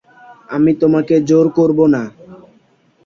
আমি তোমাকে জোর করবো না।